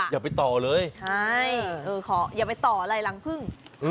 อย่าไปต่อเลย